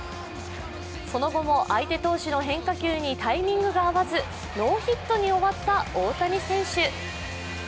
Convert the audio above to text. その後も相手投手の変化球にタイミングが合わずノーヒットに終わった大谷選手。